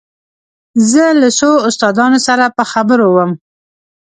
زه له څو استادانو سره په خبرو وم.